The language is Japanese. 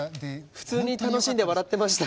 普通に楽しんで笑ってました。